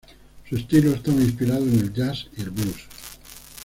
Su estilo estaba inspirado en el jazz y el blues.